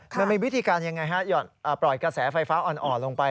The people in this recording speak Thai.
เป็นวิธีการอย่างไรค่ะปล่อยกาแสไฟฟ้าอ่อนอ่อนลงไป